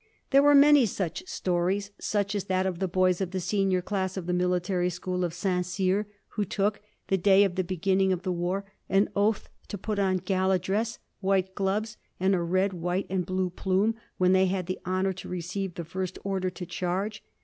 There were many such stories, such as that of the boys of the senior class of the military school of St. Cyr, who took, the day of the beginning of the war, an oath to put on gala dress, white gloves and a red, white and blue plume, when they had the honour to receive the first order to charge.